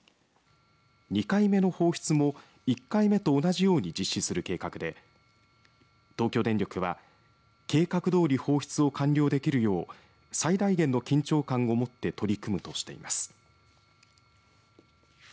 ２回目の放出も１回目と同じように実施する計画で東京電力は、計画どおり放出を完了できるよう最大限の緊張感を持って取り組むとしています。